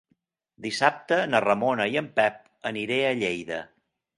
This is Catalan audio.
Dissabte na Ramona i en Pep aniré a Lleida.